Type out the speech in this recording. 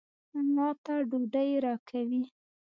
ما ته ډوډۍ راکوي.